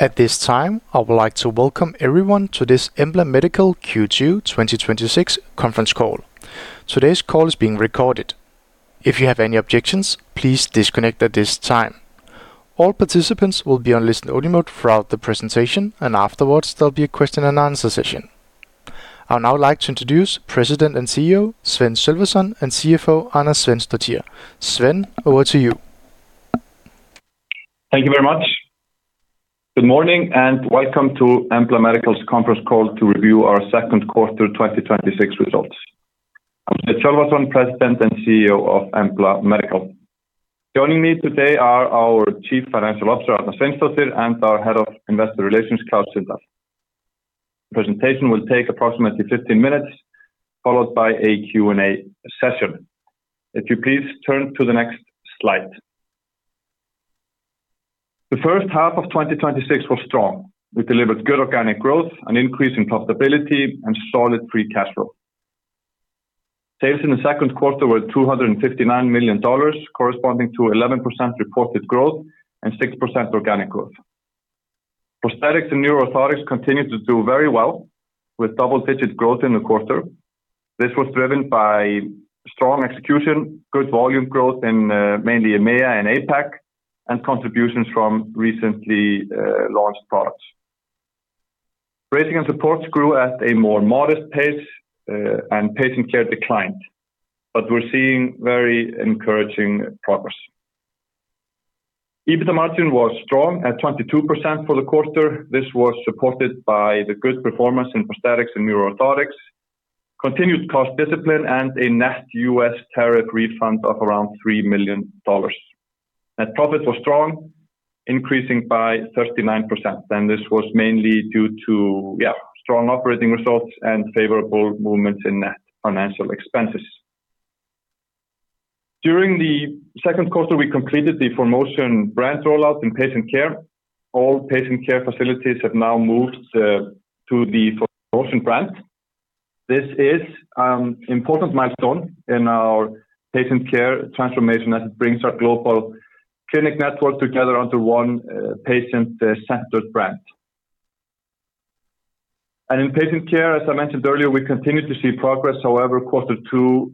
At this time, I would like to welcome everyone to this Embla Medical Q2 2026 conference call. Today's call is being recorded. If you have any objections, please disconnect at this time. All participants will be on listen-only mode throughout the presentation, afterwards, there'll be a question and answer session. I would now like to introduce President and Chief Executive Officer, Sveinn Sölvason, and Chief Financial Officer, Arna Sveinsdóttir. Sveinn, over to you. Thank you very much. Good morning and welcome to Embla Medical's conference call to review our second quarter 2026 results. I'm Sveinn Sölvason, President and CEO of Embla Medical. Joining me today are our Chief Financial Officer, Arna Sveinsdóttir, and our Head of Investor Relations, Klaus Sindahl. The presentation will take approximately 15 minutes, followed by a Q&A session. If you please turn to the next slide. The first half of 2026 was strong. We delivered good organic growth, an increase in profitability, and solid free cash flow. Sales in the second quarter were $259 million, corresponding to 11% reported growth and 6% organic growth. Prosthetics & Neuro Orthotics continued to do very well with double-digit growth in the quarter. This was driven by strong execution, good volume growth in mainly EMEA and APAC, and contributions from recently launched products. Bracing & Supports grew at a more modest pace, Patient Care declined, but we're seeing very encouraging progress. EBITDA margin was strong at 22% for the quarter. This was supported by the good performance in Prosthetics & Neuro Orthotics, continued cost discipline, and a net U.S. tariff refund of around $3 million. Net profits were strong, increasing by 39%, and this was mainly due to strong operating results and favorable movements in net financial expenses. During the second quarter, we completed the ForMotion brand rollout in Patient Care. All Patient Care facilities have now moved to the ForMotion brand. This is important milestone in our Patient Care transformation as it brings our global clinic network together under one patient-centered brand. In Patient Care, as I mentioned earlier, we continue to see progress. However, quarter two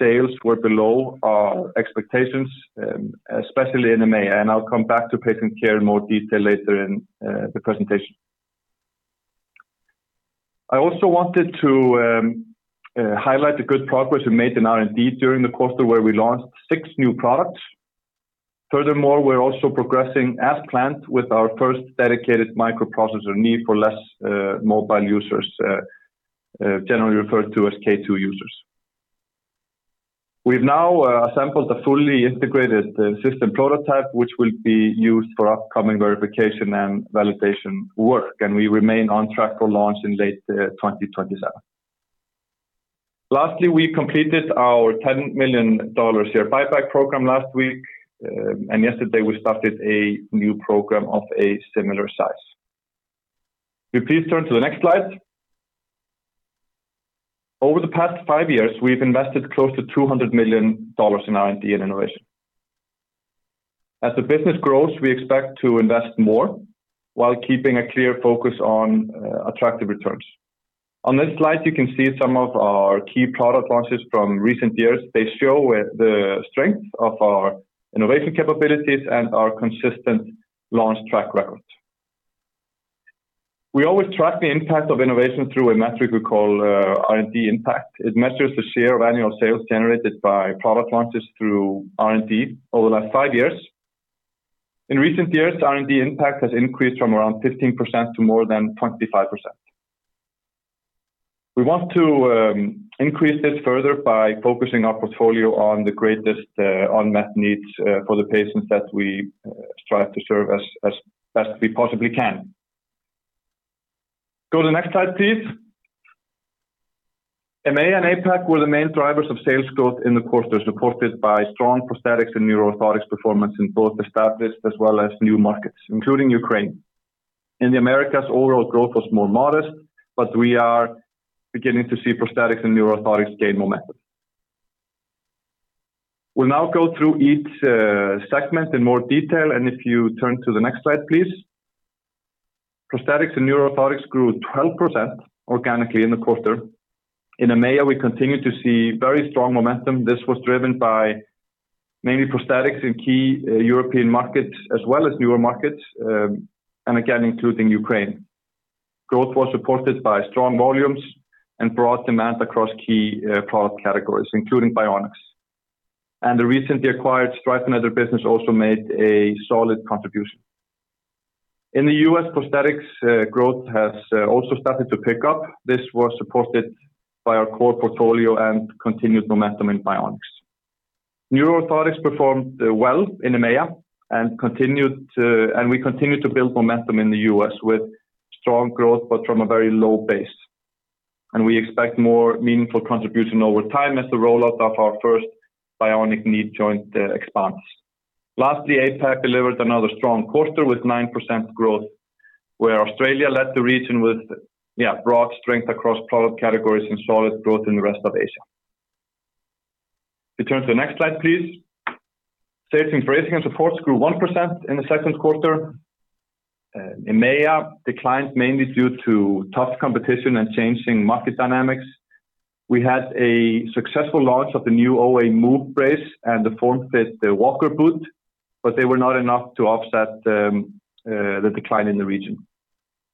sales were below our expectations, especially in EMEA. I'll come back to Patient Care in more detail later in the presentation. I also wanted to highlight the good progress we made in R&D during the quarter where we launched six new products. Furthermore, we're also progressing as planned with our first dedicated microprocessor knee for less mobile users, generally referred to as K2 users. We've now assembled a fully integrated system prototype, which will be used for upcoming verification and validation work, and we remain on track for launch in late 2027. Lastly, we completed our $10 million share buyback program last week. Yesterday, we started a new program of a similar size. Will you please turn to the next slide? Over the past five years, we've invested close to $200 million in R&D and innovation. As the business grows, we expect to invest more while keeping a clear focus on attractive returns. On this slide, you can see some of our key product launches from recent years. They show the strength of our innovation capabilities and our consistent launch track record. We always track the impact of innovation through a metric we call R&D impact. It measures the share of annual sales generated by product launches through R&D over the last five years. In recent years, R&D impact has increased from around 15% to more than 25%. We want to increase this further by focusing our portfolio on the greatest unmet needs for the patients that we strive to serve as best we possibly can. Go to the next slide, please. EMEA and APAC were the main drivers of sales growth in the quarter, supported by strong Prosthetics & Neuro Orthotics performance in both established as well as new markets, including Ukraine. In the Americas, overall growth was more modest, but we are beginning to see Prosthetics & Neuro Orthotics gain momentum. We'll now go through each segment in more detail. If you turn to the next slide, please. Prosthetics & Neuro Orthotics grew 12% organically in the quarter. In EMEA, we continued to see very strong momentum. This was driven by mainly prosthetics in key European markets as well as newer markets, including Ukraine. Growth was supported by strong volumes and broad demand across key product categories, including bionics. The recently acquired Streifeneder Business also made a solid contribution. In the U.S., prosthetics growth has also started to pick up. This was supported by our core portfolio and continued momentum in bionics. Neuro Orthotics performed well in EMEA, and we continued to build momentum in the U.S. with strong growth, but from a very low base. We expect more meaningful contribution over time as the rollout of our first bionic knee joint expands. Lastly, APAC delivered another strong quarter with 9% growth, where Australia led the region with broad strength across product categories and solid growth in the rest of Asia. We turn to the next slide, please. Sales in Bracing & Supports grew 1% in the second quarter. In EMEA, declined mainly due to tough competition and changing market dynamics. We had a successful launch of the new OA Move brace and the Formfit Walker boot, but they were not enough to offset the decline in the region.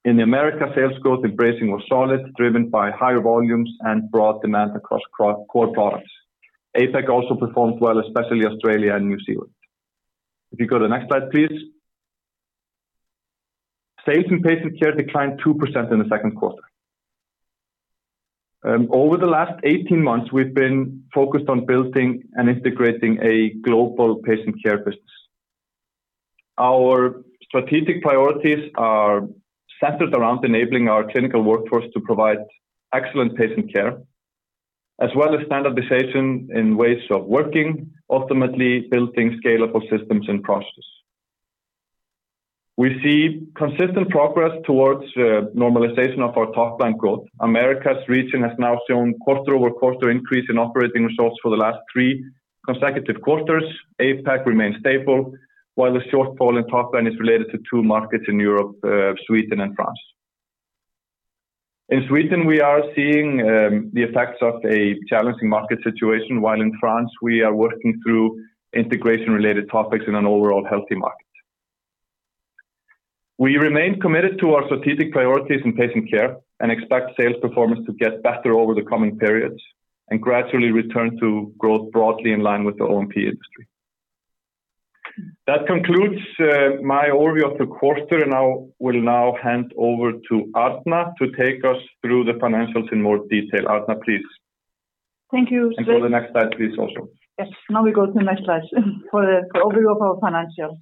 In the Americas, sales growth in bracing was solid, driven by higher volumes and broad demand across core products. APAC also performed well, especially Australia and New Zealand. If you go to the next slide, please. Sales in Patient Care declined 2% in the second quarter. Over the last 18 months, we've been focused on building and integrating a global Patient Care business. Our strategic priorities are centered around enabling our clinical workforce to provide excellent Patient Care, as well as standardization in ways of working, ultimately building scalable systems and processes. We see consistent progress towards normalization of our top-line growth. Americas region has now shown quarter-over-quarter increase in operating results for the last three consecutive quarters. APAC remains stable, while the shortfall in top line is related to two markets in Europe, Sweden and France. In Sweden, we are seeing the effects of a challenging market situation. While in France, we are working through integration-related topics in an overall healthy market. We remain committed to our strategic priorities in Patient Care and expect sales performance to get better over the coming periods, and gradually return to growth broadly in line with the O&P industry. That concludes my overview of the quarter. I will now hand over to Arna to take us through the financials in more detail. Arna, please. Thank you, Sveinn. Go to the next slide please, also. Yes. Now we go to the next slide for the overview of our financials.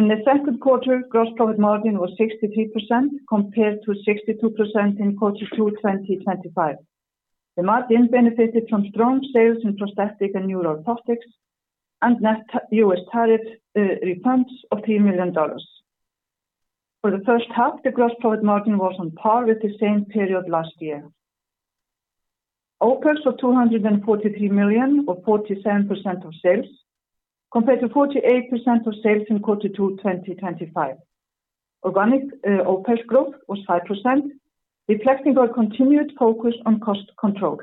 In the second quarter, gross profit margin was 63% compared to 62% in quarter two 2025. The margin benefited from strong sales in Prosthetics & Neuro Orthotics and net U.S. tariff refunds of $3 million. For the first half, the gross profit margin was on par with the same period last year. OPEX of $243 million, or 47% of sales, compared to 48% of sales in quarter two 2025. Organic OPEX growth was 5%, reflecting our continued focus on cost control.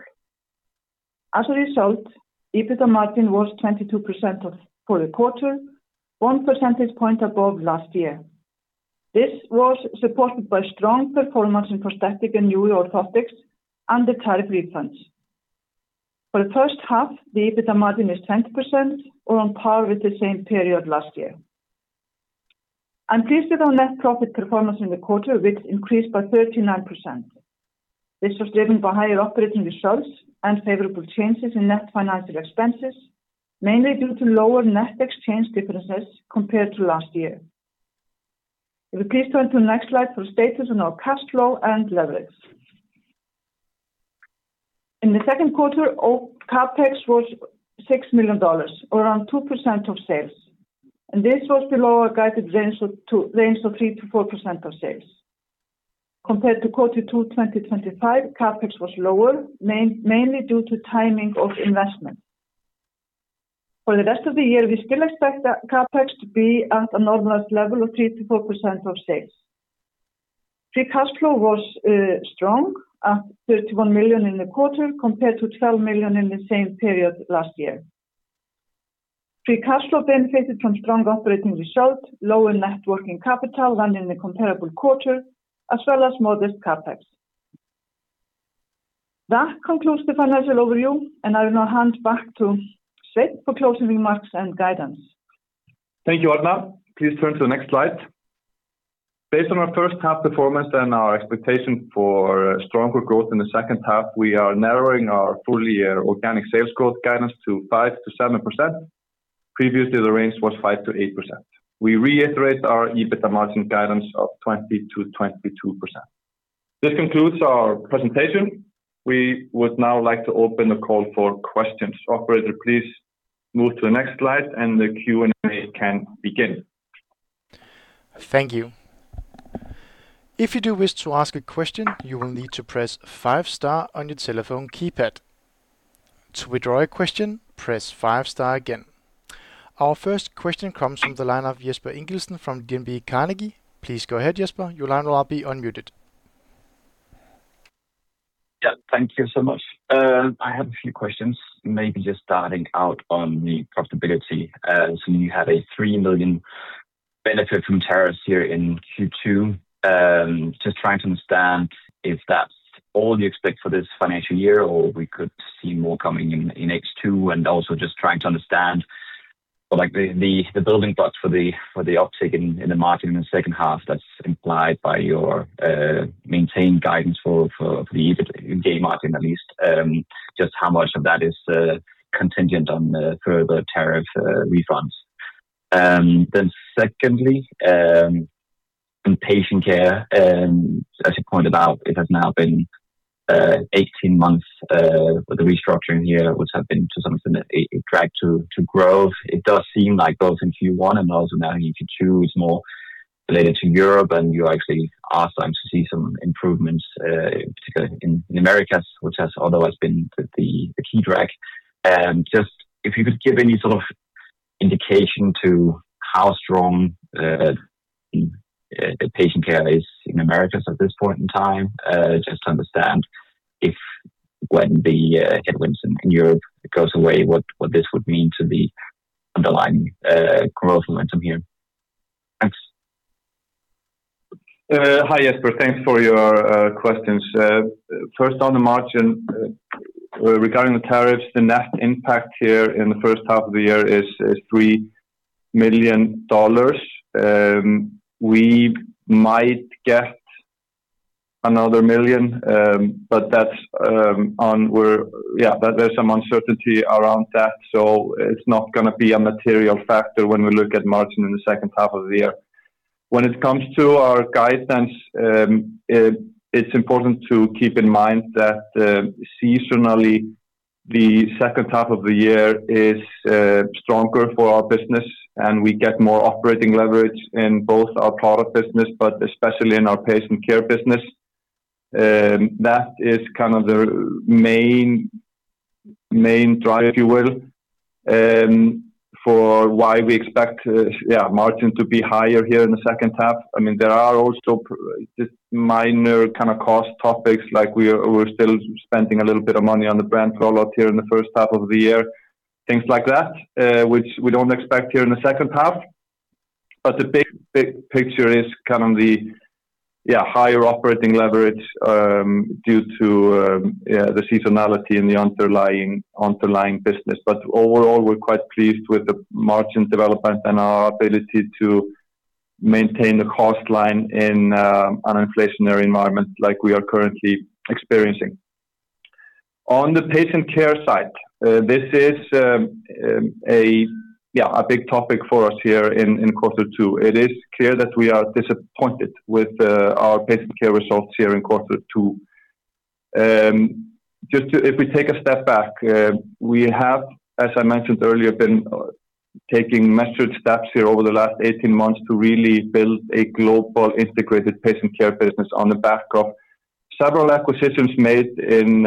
As a result, EBITDA margin was 22% for the quarter, one percentage point above last year. This was supported by strong performance in Prosthetics & Neuro Orthotics and the tariff refunds. For the first half, the EBITDA margin is 20% or on par with the same period last year. I'm pleased with our net profit performance in the quarter, which increased by 39%. This was driven by higher operating results and favorable changes in net financial expenses, mainly due to lower net exchange differences compared to last year. If we please turn to the next slide for status on our cash flow and leverage. In the second quarter, CapEx was $6 million, around 2% of sales. This was below our guided range of 3%-4% of sales. Compared to quarter two 2025, CapEx was lower, mainly due to timing of investments. For the rest of the year, we still expect the CapEx to be at a normalized level of 3%-4% of sales. Free cash flow was strong at $31 million in the quarter, compared to $12 million in the same period last year. Free cash flow benefited from strong operating results, lower net working capital than in the comparable quarter, as well as modest CapEx. That concludes the financial overview, and I will now hand back to Sveinn for closing remarks and guidance. Thank you, Arna. Please turn to the next slide. Based on our first half performance and our expectation for stronger growth in the second half, we are narrowing our full year organic sales growth guidance to 5%-7%. Previously, the range was 5%-8%. We reiterate our EBITDA margin guidance of 20%-22%. This concludes our presentation. We would now like to open the call for questions. Operator, please move to the next slide and the Q&A can begin. Thank you. If you do wish to ask a question, you will need to press a five star on your telephone keypad. To withdraw a question, press five star again. Our first question comes from the line of Jesper Ingildsen from DNB Carnegie. Please go ahead, Jesper. Your line will now be unmuted. Yeah, thank you so much. I have a few questions. Starting out on the profitability. Seeing you have a $3 million benefit from tariffs here in Q2, just trying to understand if that's all you expect for this financial year, or we could see more coming in H2. Also just trying to understand the building blocks for the uptick in the margin in the second half that's implied by your maintained guidance for the EBIT gain margin, at least, just how much of that is contingent on further tariff refunds. Secondly, in Patient Care, as you pointed out, it has now been 18 months with the restructuring here, which have been to some extent a drag to growth. It does seem like both in Q1 and also now in Q2 is more related to Europe, and you actually are starting to see some improvements, particularly in Americas, which has otherwise been the key drag. If you could give any sort of indication to how strong the Patient Care is in Americas at this point in time, just to understand if when the headwinds in Europe goes away, what this would mean to the underlying growth momentum here. Thanks. Hi, Jesper. Thanks for your questions. First, on the margin regarding the tariffs, the net impact here in the first half of the year is $3 million. We might get another $1 million, but there's some uncertainty around that, so it's not going to be a material factor when we look at margin in the second half of the year. It's important to keep in mind that seasonally, the second half of the year is stronger for our business, and we get more operating leverage in both our product business, but especially in our Patient Care business. That is kind of the main drive, if you will, for why we expect margin to be higher here in the second half. There are also just minor cost topics. We're still spending a little bit of money on the brand roll-out here in the first half of the year. Things like that which we don't expect here in the second half. The big picture is kind of the higher operating leverage, due to the seasonality in the underlying business. Overall, we're quite pleased with the margin development and our ability to maintain the cost line in an inflationary environment like we are currently experiencing. On the Patient Care side, this is a big topic for us here in quarter two. It is clear that we are disappointed with our Patient Care results here in quarter two. If we take a step back, we have, as I mentioned earlier, been taking measured steps here over the last 18 months to really build a global integrated Patient Care business on the back of several acquisitions made in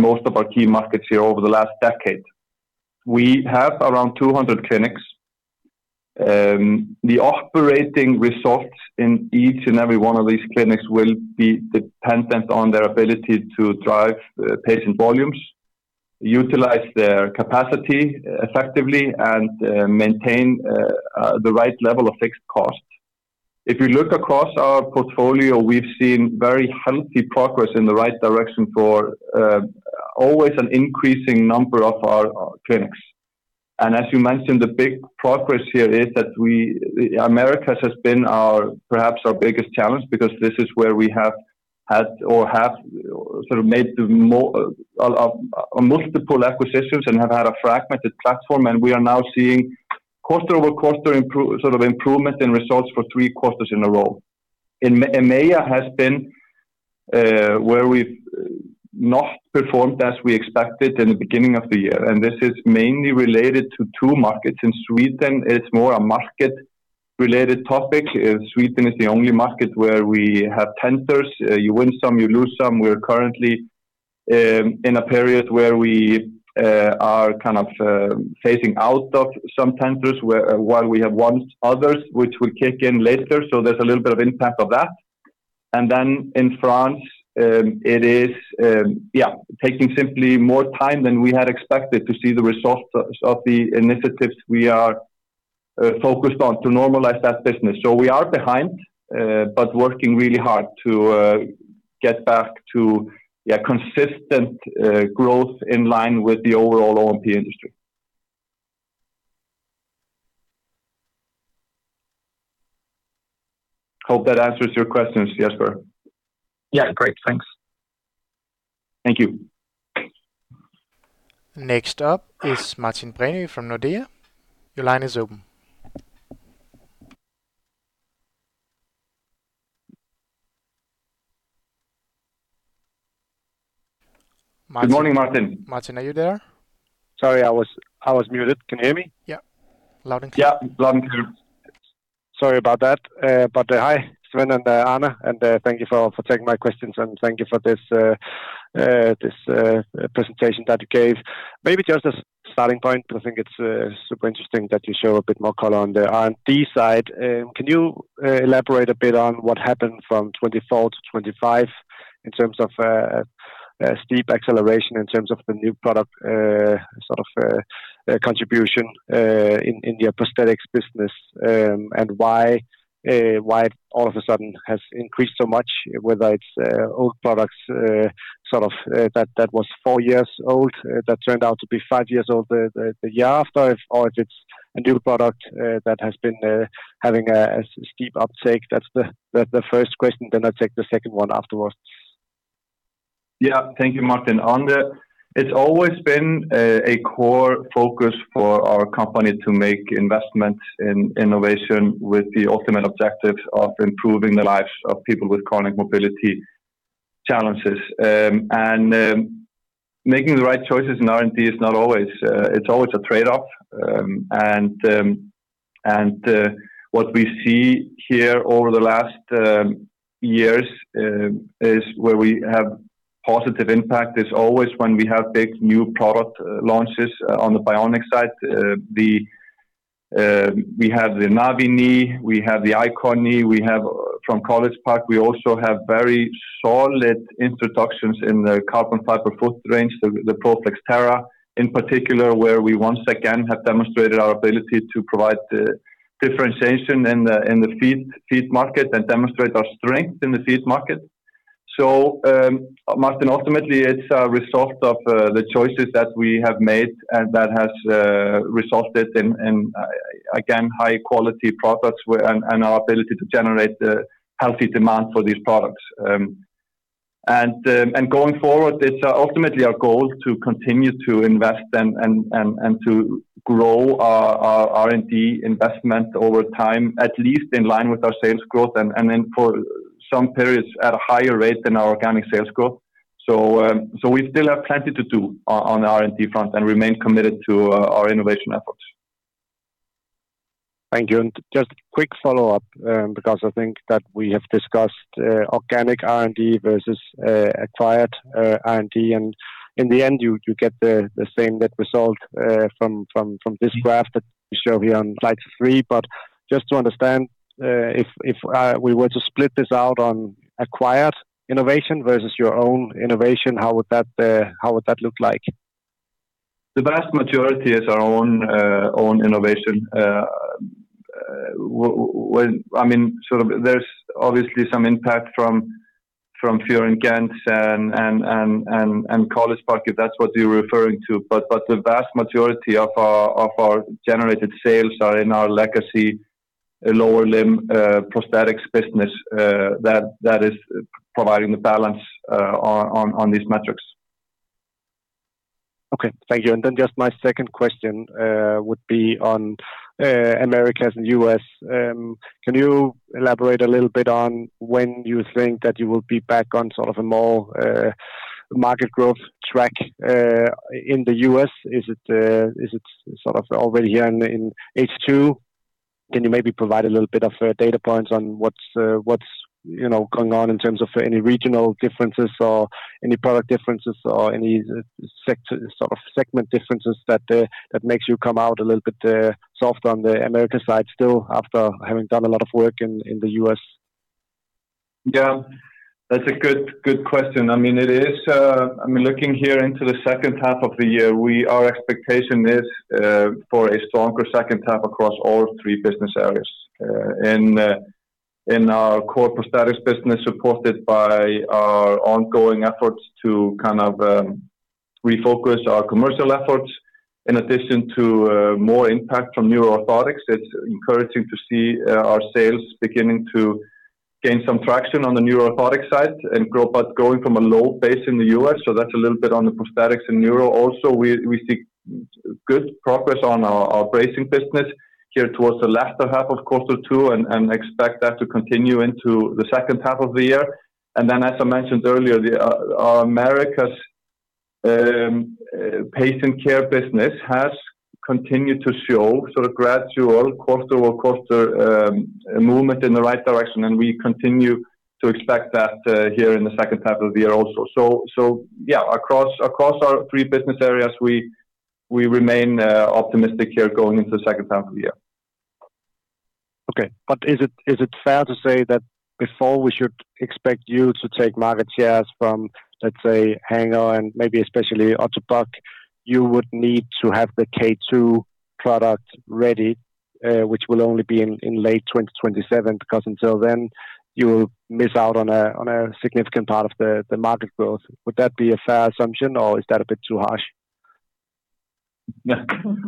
most of our key markets here over the last decade. We have around 200 clinics. The operating results in each and every one of these clinics will be dependent on their ability to drive patient volumes, utilize their capacity effectively, and maintain the right level of fixed costs. If you look across our portfolio, we've seen very healthy progress in the right direction for always an increasing number of our clinics. As you mentioned, the big progress here is that Americas has been perhaps our biggest challenge because this is where we have had or have sort of made multiple acquisitions and have had a fragmented platform, and we are now seeing quarter-over-quarter sort of improvement in results for three quarters in a row. EMEA has been where we've not performed as we expected in the beginning of the year. This is mainly related to two markets. In Sweden, it's more a market-related topic. Sweden is the only market where we have tenders. You win some, you lose some. We're currently in a period where we are kind of phasing out of some tenders while we have won others, which will kick in later. There's a little bit of impact of that. In France, it is taking simply more time than we had expected to see the results of the initiatives we are focused on to normalize that business. We are behind, but working really hard to get back to consistent growth in line with the overall O&P industry. Hope that answers your questions, Jesper. Yeah. Great. Thanks. Thank you. Next up is Martin Brenøe from Nordea. Your line is open. Martin. Good morning, Martin. Martin, are you there? Sorry, I was muted. Can you hear me? Yeah, loud and clear. Sorry about that. Hi, Sveinn and Arna, and thank you for taking my questions and thank you for this presentation that you gave. Maybe just a starting point. I think it's super interesting that you show a bit more color on the R&D side. Can you elaborate a bit on what happened from 2024-2025 in terms of steep acceleration, in terms of the new product sort of contribution in the prosthetics business? Why all of a sudden has increased so much, whether it's old products sort of that was four years old, that turned out to be five years old the year after, or if it's a new product that has been having a steep uptake? That's the first question, I take the second one afterwards. Yeah. Thank you, Martin. It's always been a core focus for our company to make investments in innovation with the ultimate objective of improving the lives of people with chronic mobility challenges. Making the right choices in R&D, it's always a trade-off. What we see here over the last years is where we have positive impact is always when we have big new product launches on the bionic side. We have the Navii knee, we have the Icon knee, we have from College Park. We also have very solid introductions in the carbon fiber foot range, the Pro-Flex Terra in particular, where we once again have demonstrated our ability to provide differentiation in the feet market and demonstrate our strength in the feet market. Martin, ultimately, it's a result of the choices that we have made and that has resulted in, again, high-quality products and our ability to generate healthy demand for these products. Going forward, it's ultimately our goal to continue to invest and to grow our R&D investment over time, at least in line with our sales growth and then for some periods at a higher rate than our organic sales growth. We still have plenty to do on the R&D front and remain committed to our innovation efforts. Thank you. Just a quick follow-up, because I think that we have discussed organic R&D versus acquired R&D, and in the end, you get the same net result from this graph that you show here on slide three. Just to understand, if we were to split this out on acquired innovation versus your own innovation, how would that look like? The vast majority is our own innovation. There's obviously some impact from FIOR & GENTZ and College Park, if that's what you're referring to. The vast majority of our generated sales are in our legacy lower limb prosthetics business that is providing the balance on these metrics. Okay. Thank you. Just my second question would be on Americas and U.S. Can you elaborate a little bit on when you think that you will be back on sort of a more market growth track in the U.S.? Is it sort of already here in H2? Can you maybe provide a little bit of data points on what's going on in terms of any regional differences or any product differences or any sort of segment differences that makes you come out a little bit soft on the America side still after having done a lot of work in the U.S.? Yeah. That's a good question. Looking here into the second half of the year, our expectation is for a stronger second half across all three business areas. In our core Prosthetics business, supported by our ongoing efforts to kind of refocus our commercial efforts in addition to more impact from Neuro Orthotics. It's encouraging to see our sales beginning to gain some traction on the Neuro Orthotics side and growing from a low base in the U.S. That's a little bit on the Prosthetics and Neuro. Also, we see good progress on our Bracing business here towards the latter half of quarter two and expect that to continue into the second half of the year. As I mentioned earlier, our Americas Patient Care business has continued to show sort of gradual quarter-over-quarter movement in the right direction, and we continue to expect that here in the second half of the year also. Yeah, across our three business areas, we remain optimistic here going into the second half of the year. Okay. Is it fair to say that before we should expect you to take market shares from, let's say, Hanger and maybe especially Ottobock, you would need to have the K2 product ready which will only be in late 2027, because until then, you will miss out on a significant part of the market growth. Would that be a fair assumption or is that a bit too harsh?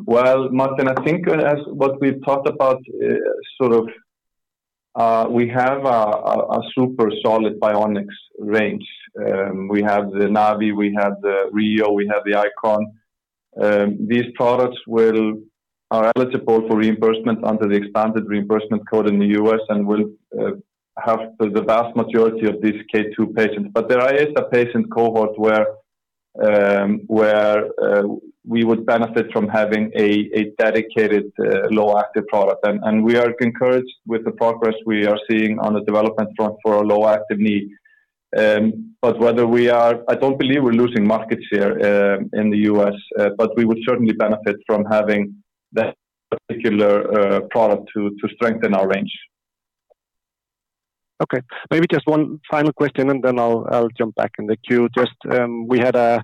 Well, Martin, I think as what we've talked about, sort of we have a super solid bionics range. We have the Navii, we have the RHEO, we have the Icon. These products are eligible for reimbursement under the expanded reimbursement code in the U.S. and will have the vast majority of these K2 patients. There is a patient cohort where we would benefit from having a dedicated low active product. We are encouraged with the progress we are seeing on the development front for a low active knee. I don't believe we're losing market share in the U.S., but we would certainly benefit from having that particular product to strengthen our range. Okay. Maybe just one final question. Then I'll jump back in the queue. We had a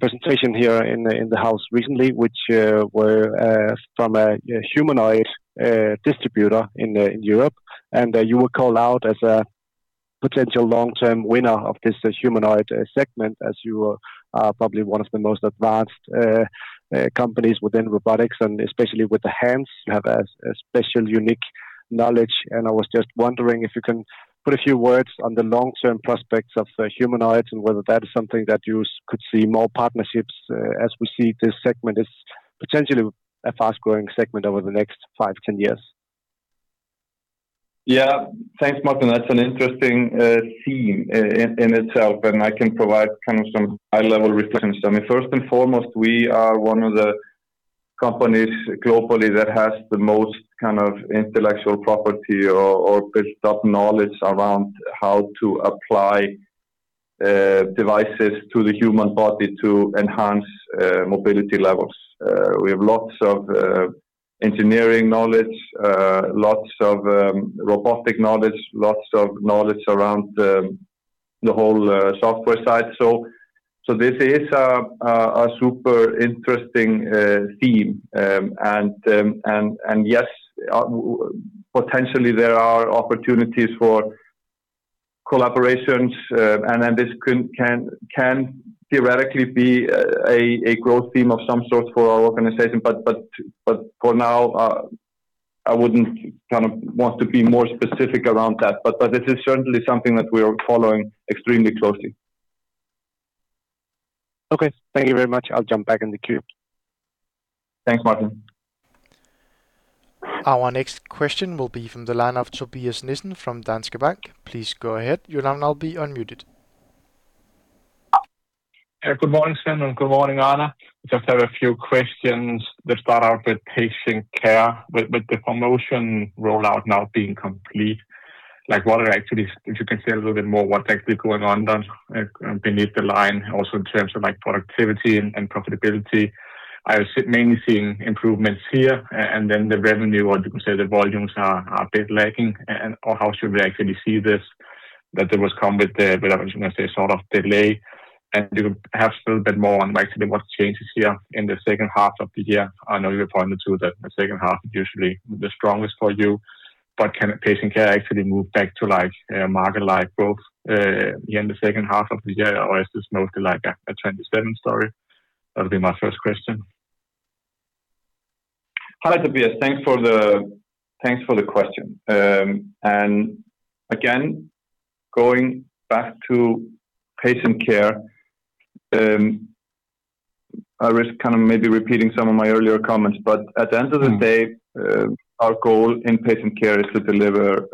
presentation here in the house recently, which were from a humanoid distributor in Europe. You were called out as a potential long-term winner of this humanoid segment as you are probably one of the most advanced companies within robotics, and especially with the hands, you have a special, unique knowledge. I was just wondering if you can put a few words on the long-term prospects of humanoids and whether that is something that you could see more partnerships as we see this segment is potentially a fast-growing segment over the next five, 10 years. Yeah. Thanks, Martin. That's an interesting theme in itself. I can provide some high-level reflections. First and foremost, we are one of the companies globally that has the most intellectual property or built-up knowledge around how to apply devices to the human body to enhance mobility levels. We have lots of engineering knowledge, lots of robotic knowledge, lots of knowledge around the whole software side. This is a super interesting theme. Yes, potentially there are opportunities for collaborations. Then this can theoretically be a growth theme of some sort for our organization. For now, I wouldn't want to be more specific around that. This is certainly something that we are following extremely closely. Okay. Thank you very much. I'll jump back in the queue. Thanks, Martin. Our next question will be from the line of Tobias Nissen from Danske Bank. Please go ahead. You'll now be unmuted. Good morning, Sveinn, and good morning, Arna. Just have a few questions that start out with Patient Care. With the ForMotion rollout now being complete, if you can say a little bit more what's actually going on then beneath the line, also in terms of productivity and profitability. I was mainly seeing improvements here, and then the revenue, or you can say the volumes, are a bit lacking. How should we actually see this? That it was come with the, what I was going to say, sort of delay. Perhaps a little bit more on actually what changes here in the second half of the year. I know you pointed to that the second half is usually the strongest for you. Can Patient Care actually move back to market-like growth in the second half of the year? Or is this mostly like a 2027 story? That'll be my first question. Hi, Tobias. Thanks for the question. Again, going back to Patient Care, I risk maybe repeating some of my earlier comments. At the end of the day, our goal in Patient Care is to deliver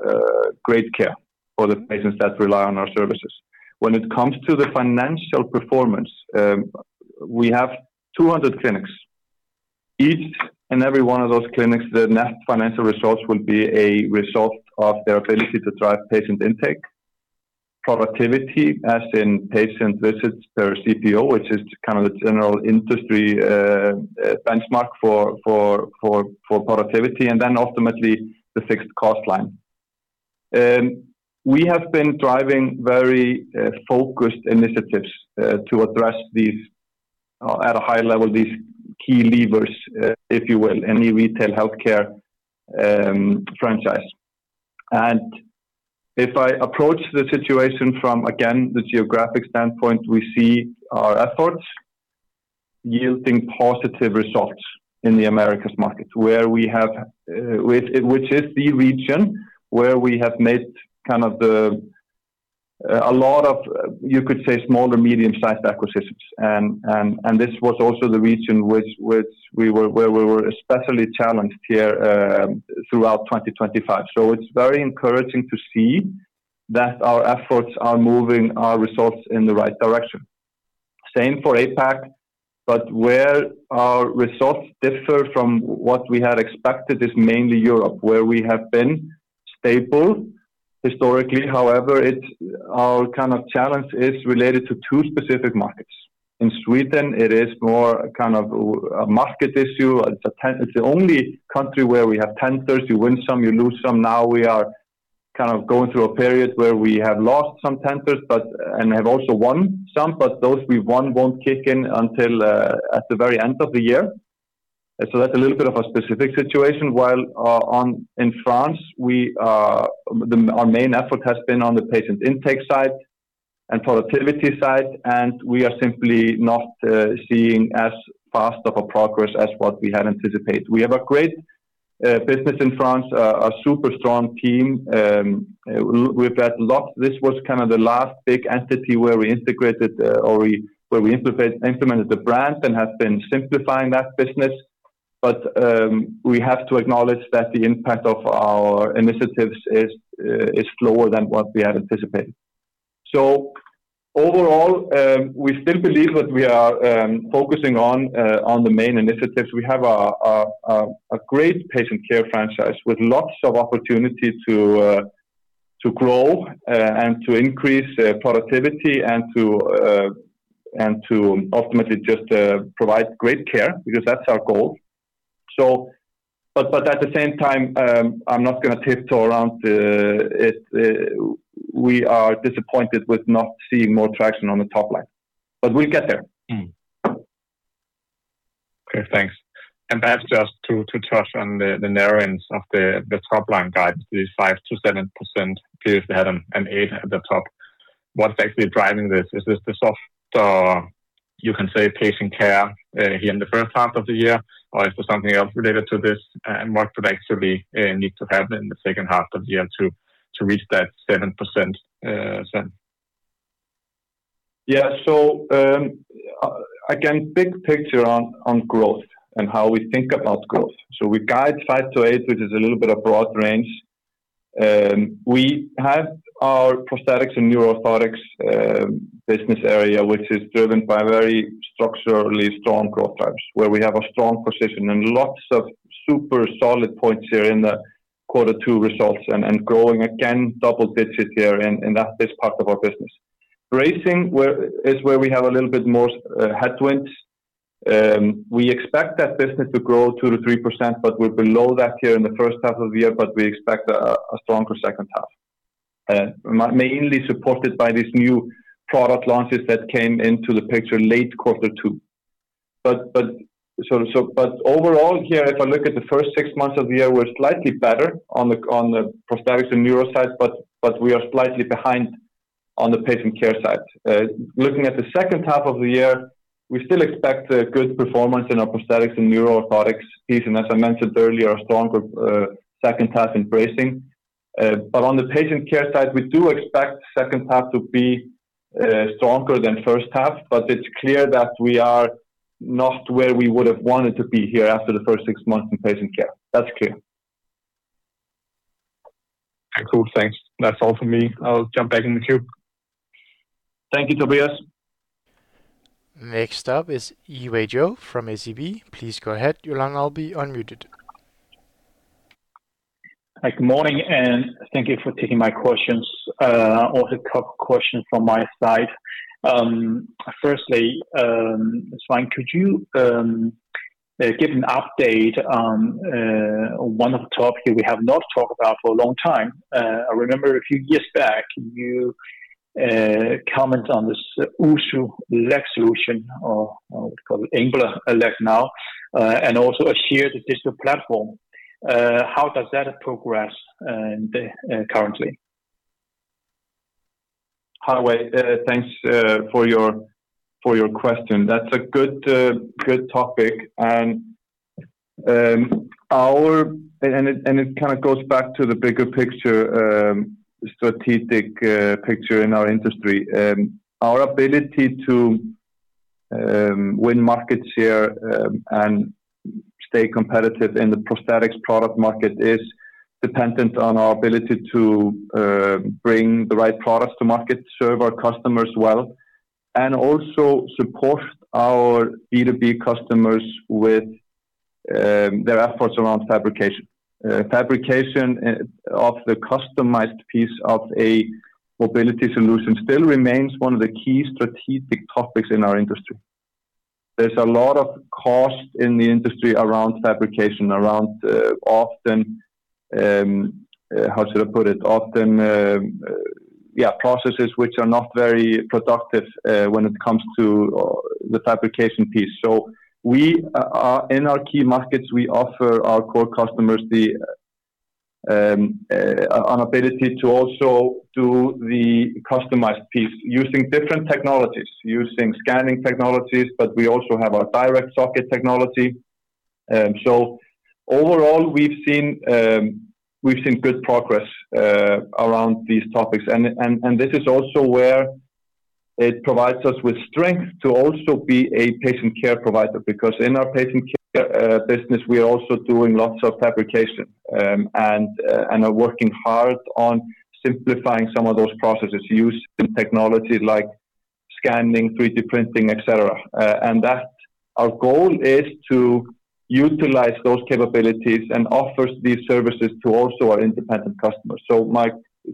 great care for the patients that rely on our services. When it comes to the financial performance, we have 200 clinics. Each and every one of those clinics, the net financial results will be a result of their ability to drive patient intake, productivity as in patient visits per CPO, which is the general industry benchmark for productivity, and then ultimately the fixed cost line. We have been driving very focused initiatives to address these at a high level, these key levers, if you will, any retail healthcare franchise. If I approach the situation from, again, the geographic standpoint, we see our efforts yielding positive results in the Americas market which is the region where we have made a lot of, you could say, small to medium-sized acquisitions. This was also the region where we were especially challenged here throughout 2025. It's very encouraging to see that our efforts are moving our results in the right direction. Same for APAC, where our results differ from what we had expected is mainly Europe, where we have been stable historically. However, our challenge is related to two specific markets. In Sweden, it is more a market issue. It's the only country where we have tenders. You win some, you lose some. Now we are going through a period where we have lost some tenders and have also won some, but those we won won't kick in until at the very end of the year. That's a little bit of a specific situation. While in France, our main effort has been on the patient intake side and productivity side. We are simply not seeing as fast of a progress as what we had anticipated. We have a great business in France, a super strong team. This was the last big entity where we integrated or where we implemented the brand and have been simplifying that business. We have to acknowledge that the impact of our initiatives is slower than what we had anticipated. Overall, we still believe that we are focusing on the main initiatives. We have a great Patient Care franchise with lots of opportunity to grow and to increase productivity and to ultimately just provide great care, because that's our goal. At the same time, I'm not going to tiptoe around it. We are disappointed with not seeing more traction on the top line. We'll get there. Okay, thanks. Perhaps just to touch on the narrow ends of the top line guide, the 5%-7%, clearly if they had an 8% at the top. What's actually driving this? Is this the soft, you can say Patient Care here in the first half of the year? Or is there something else related to this? What could actually need to happen in the second half of the year to reach that 7%, Sveinn? Yeah. Again, big picture on growth and how we think about growth. We guide 5%-8%, which is a little bit of broad range. We have our Prosthetics & Neuro Orthotics business area, which is driven by very structurally strong growth types, where we have a strong position and lots of super solid points here in the quarter two results, and growing again double digits here in this part of our business. Bracing is where we have a little bit more headwinds. We expect that business to grow 2%-3%, we're below that here in the first half of the year, we expect a stronger second half, mainly supported by these new product launches that came into the picture late quarter two. Overall here, if I look at the first six months of the year, we're slightly better on the Prosthetics & Neuro side, we are slightly behind on the Patient Care side. Looking at the second half of the year, we still expect a good performance in our Prosthetics & Neuro Orthotics piece, and as I mentioned earlier, a stronger second half in Bracing. On the Patient Care side, we do expect second half to be stronger than first half, it's clear that we are not where we would have wanted to be here after the first six months in Patient Care. That's clear. Cool, thanks. That's all for me. I'll jump back in the queue. Thank you, Tobias. Next up is Yiwei Zhou from SEB. Please go ahead. Your line will be unmuted. Good morning, thank you for taking my questions. Also couple questions from my side. Firstly, Sveinn, could you give an update on one of the topics we have not talked about for a long time? I remember a few years back you comment on this Össur leg solution, or we call it Embla leg now, and also a shared digital platform. How does that progress currently? Hi, Yiwei. Thanks for your question. That's a good topic, it kind of goes back to the bigger picture, strategic picture in our industry. Our ability to win markets here and stay competitive in the prosthetics product market is dependent on our ability to bring the right products to market, serve our customers well, and also support our B2B customers with their efforts around fabrication. Fabrication of the customized piece of a mobility solution still remains one of the key strategic topics in our industry. There's a lot of cost in the industry around fabrication, around often, how should I put it? Often, processes which are not very productive when it comes to the fabrication piece. In our key markets, we offer our core customers an ability to also do the customized piece using different technologies, using scanning technologies, but we also have our Direct Socket technology. Overall, we've seen good progress around these topics, and this is also where it provides us with strength to also be a Patient Care provider. Because in our Patient Care business, we are also doing lots of fabrication and are working hard on simplifying some of those processes using technology like scanning, 3D printing, et cetera. Our goal is to utilize those capabilities and offer these services to also our independent customers.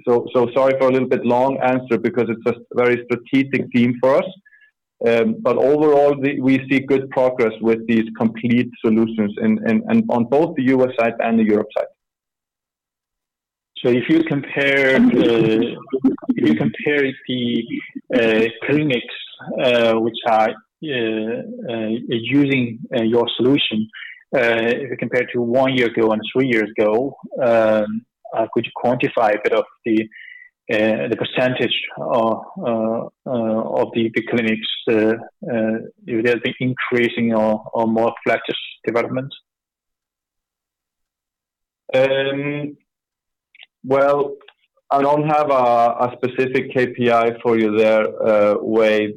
Sorry for a little bit long answer because it's a very strategic theme for us. Overall, we see good progress with these complete solutions on both the U.S. side and the Europe side. If you compare the clinics which are using your solution, if you compare to one year ago and three years ago, could you quantify a bit of the percentage of the clinics? There's been increasing or more faster development? Well, I don't have a specific KPI for you there, Yiwei.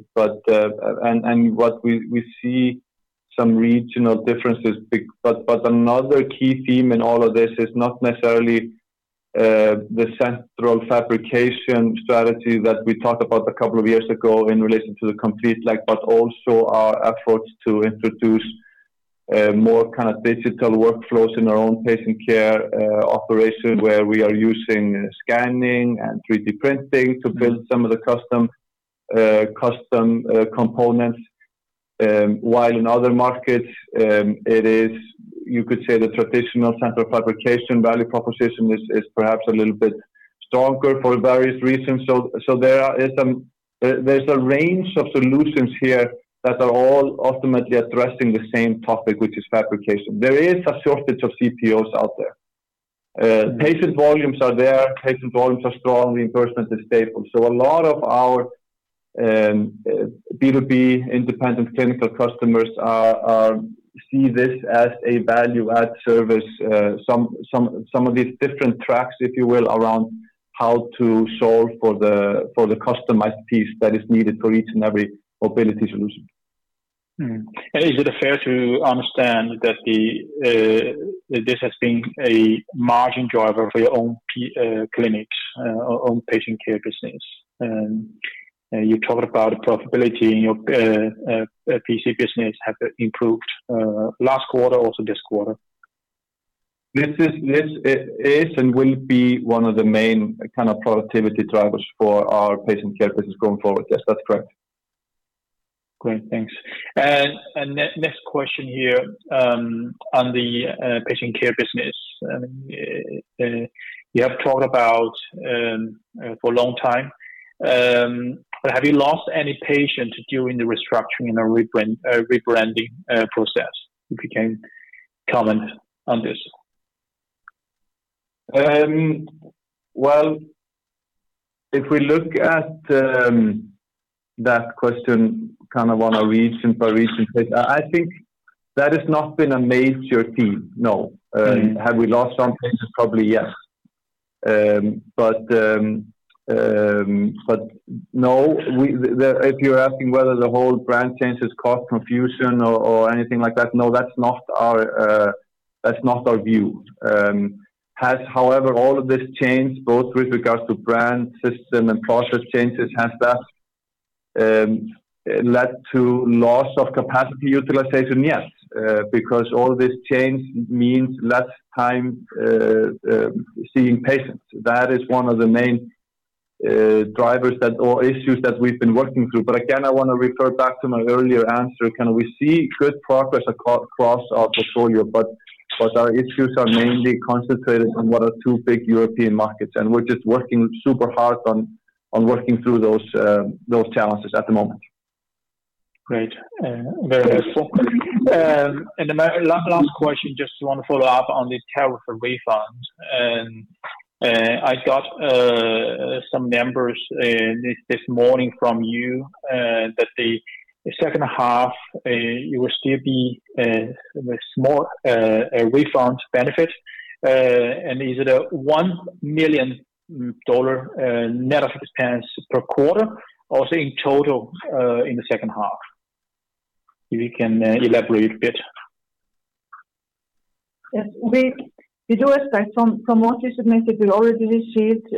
We see some regional differences. Another key theme in all of this is not necessarily the central fabrication strategy that we talked about a couple of years ago in relation to the complete leg, but also our efforts to introduce more digital workflows in our own Patient Care operation, where we are using scanning and 3D printing to build some of the custom components. While in other markets, you could say the traditional central fabrication value proposition is perhaps a little bit stronger for various reasons. There's a range of solutions here that are all ultimately addressing the same topic, which is fabrication. There is a shortage of CPOs out there. Patient volumes are there. Patient volumes are strong, reimbursement is stable. A lot of our B2B independent clinical customers see this as a value-add service. Some of these different tracks, if you will, around how to solve for the customized piece that is needed for each and every mobility solution. Is it fair to understand that this has been a margin driver for your own clinics, own Patient Care business? You talked about the profitability in your Patient Care business have improved last quarter, also this quarter. This is and will be one of the main kind of productivity drivers for our Patient Care business going forward. Yes, that's correct. Great. Thanks. Next question here on the Patient Care business. You have talked about for a long time, but have you lost any patients during the restructuring and rebranding process? If you can comment on this. Well, if we look at that question kind of on a region by region basis, I think that has not been a major theme, no. Have we lost some patients? Probably, yes. No, if you're asking whether the whole brand changes caused confusion or anything like that, no, that's not our view. Has, however, all of this changed, both with regards to brand, system, and process changes, has that led to loss of capacity utilization? Yes, because all this change means less time seeing patients. That is one of the main drivers or issues that we've been working through. Again, I want to refer back to my earlier answer. We see good progress across our portfolio, our issues are mainly concentrated on what are two big European markets, and we're just working super hard on working through those challenges at the moment. Great. Very helpful. My last question, just want to follow up on the tariff refunds. I got some numbers this morning from you, that the second half, you will still be a small refund benefit. Is it a $1 million net of expense per quarter or in total in the second half? If you can elaborate a bit. Yes. We do expect from what we submitted, we already received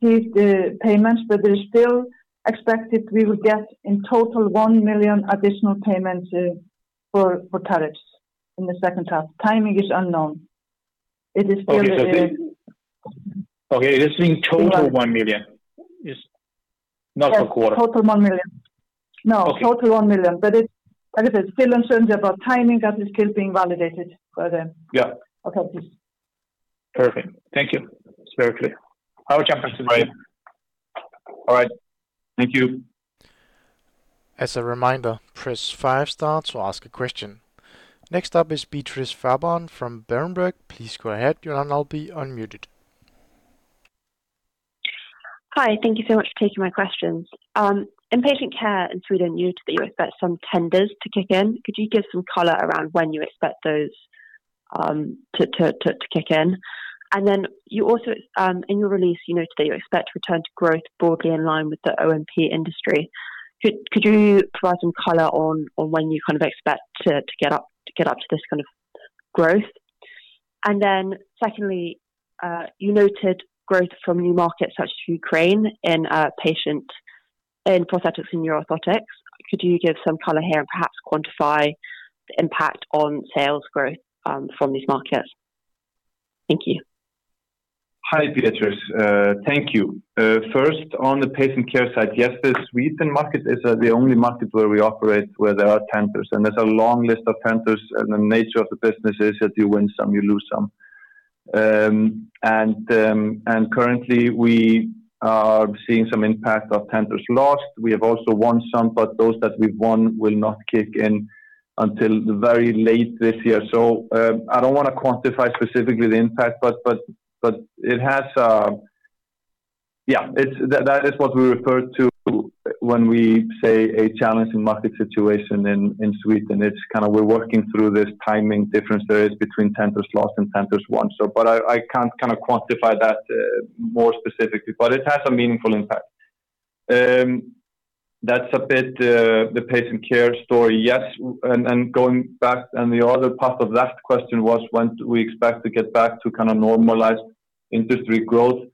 these payments, we still expect that we will get in total $1 million additional payments for tariffs in the second half. Timing is unknown. Okay. This is in total $1 million? It's not per quarter. Yes, total $1 million. Okay. No, total $1 million. It is still uncertain about timing, that is still being validated. Yeah Authorities. Perfect. Thank you. It's very clear. I will jump back in later. Great. All right. Thank you. As a reminder, press five star to ask a question. Next up is Beatrice Fairbairn from Berenberg. Please go ahead, your line will now be unmuted. Hi. Thank you so much for taking my questions. In Patient Care in Sweden, you noted that you expect some tenders to kick in. Could you give some color around when you expect those to kick in? You also, in your release, you noted that you expect return to growth broadly in line with the O&P industry. Could you provide some color on when you kind of expect to get up to this kind of growth? Secondly, you noted growth from new markets such as Ukraine in Prosthetics & Neuro Orthotics. Could you give some color here and perhaps quantify the impact on sales growth from these markets? Thank you. Hi, Beatrice. Thank you. First, on the Patient Care side, yes, the Sweden market is the only market where we operate where there are tenders. There's a long list of tenders, and the nature of the business is that you win some, you lose some. Currently we are seeing some impact of tenders lost. We have also won some, but those that we've won will not kick in until very late this year. I don't want to quantify specifically the impact, but that is what we refer to when we say a challenging market situation in Sweden. It's kind of we're working through this timing difference there is between tenders lost and tenders won. I can't quantify that more specifically. It has a meaningful impact. That's a bit the Patient Care story. Yes, going back and the other part of that question was when do we expect to get back to kind of normalized industry growth?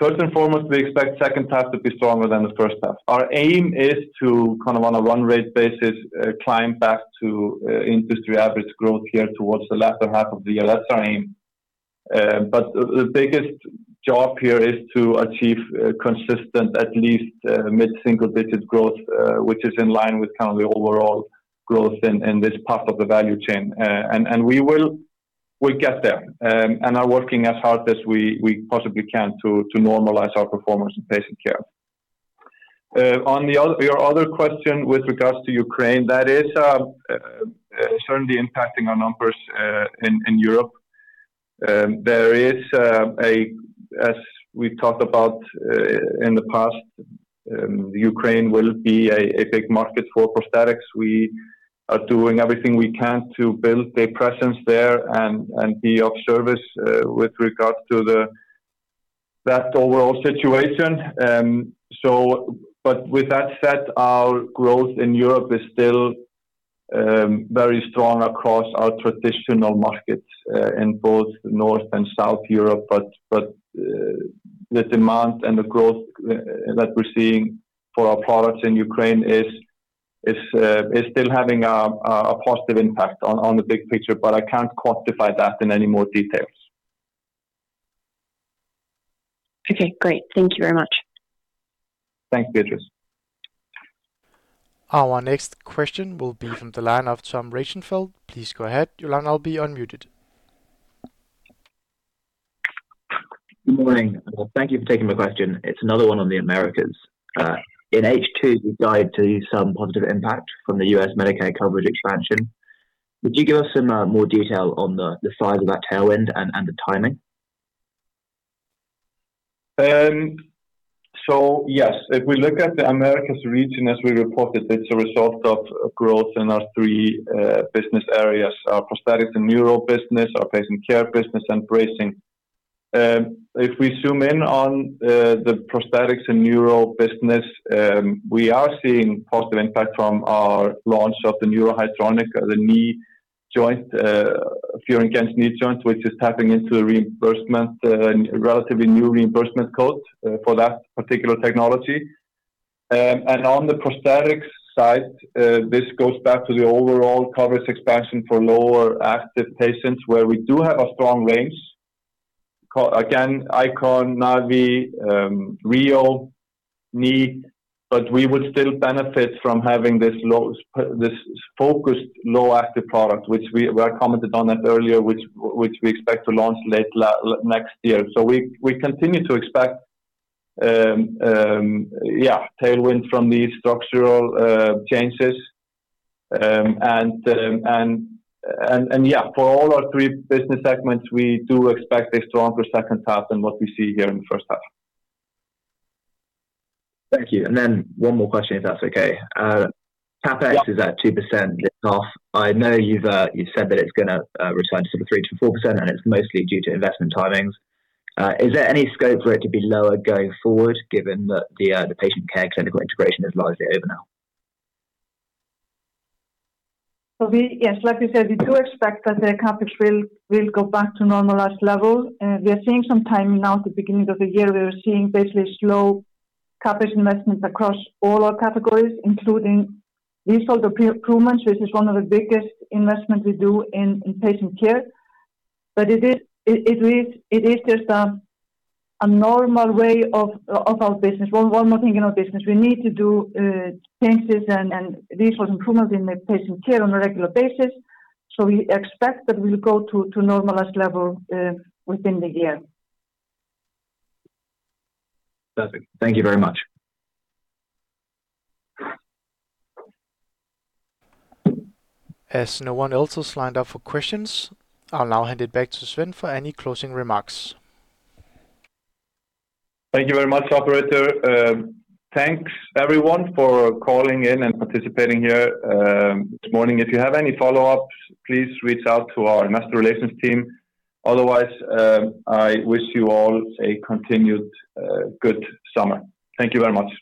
First and foremost, we expect second half to be stronger than the first half. Our aim is to kind of on a run rate basis, climb back to industry average growth here towards the latter half of the year. That's our aim. The biggest job here is to achieve consistent at least mid-single digit growth, which is in line with kind of the overall growth in this part of the value chain. We'll get there, and are working as hard as we possibly can to normalize our performance in Patient Care. On your other question with regards to Ukraine, that is certainly impacting our numbers in Europe. As we talked about in the past, Ukraine will be a big market for prosthetics. We are doing everything we can to build a presence there and be of service with regards to that overall situation. With that said, our growth in Europe is still very strong across our traditional markets in both North and South Europe. The demand and the growth that we're seeing for our products in Ukraine is still having a positive impact on the big picture, but I can't quantify that in any more details. Okay, great. Thank you very much. Thanks, Beatrice. Our next question will be from the line of Tom Rosenfeld. Please go ahead, your line will be unmuted. Good morning. Thank you for taking my question. It's another one on the Americas. In H2, you guide to some positive impact from the U.S. Medicare coverage expansion. Would you give us some more detail on the size of that tailwind and the timing? Yes, if we look at the Americas region as we reported, it's a result of growth in our three business areas, our Prosthetics & Neuro Orthotics business, our Patient Care business, and Bracing & Supports. If we zoom in on the Prosthetics & Neuro Orthotics business, we are seeing positive impact from our launch of the FIOR & GENTZ knee joint, which is tapping into the reimbursement, relatively new reimbursement code for that particular technology. On the prosthetics side, this goes back to the overall coverage expansion for lower active patients where we do have a strong range. Icon, Navii, RHEO Knee, but we would still benefit from having this focused low active product, which I commented on that earlier, which we expect to launch late next year. We continue to expect tailwind from these structural changes. For all our three business segments, we do expect a stronger second half than what we see here in the first half. Thank you. One more question if that's okay. Yeah. CapEx is at 2% lift off. I know you've said that it's going to return to sort of 3%-4%, and it's mostly due to investment timings. Is there any scope for it to be lower going forward given that the Patient Care clinical integration is largely over now? Yes, like we said, we do expect that the CapEx will go back to normalized level. We are seeing some timing now at the beginning of the year. We are seeing basically slow CapEx investments across all our categories, including resource improvements, which is one of the biggest investment we do in Patient Care. It is just a normal way of our business. One more thing in our business, we need to do changes and resource improvements in the Patient Care on a regular basis. We expect that we'll go to normalized level within the year. Perfect. Thank you very much. As no one else is lined up for questions, I'll now hand it back to Sveinn for any closing remarks. Thank you very much, operator. Thanks everyone for calling in and participating here this morning. If you have any follow-ups, please reach out to our investor relations team. Otherwise, I wish you all a continued good summer. Thank you very much